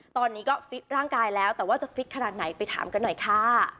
ตอนนี้ก็ฟิตร่างกายแล้วแต่ว่าจะฟิตขนาดไหนไปถามกันหน่อยค่ะ